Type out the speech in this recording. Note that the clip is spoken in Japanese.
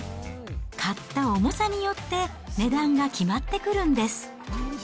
買った重さによって値段が決まってくるんです。